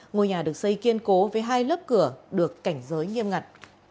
ngôi nhà được xây kiên cố với hai lớp cửa được cảnh giới nghiêm ngặt